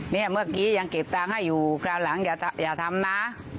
เนี้ยเมื่อกี้ยังเก็บตังค์ให้อยู่คราวหลังอย่าทำอย่าทำนะ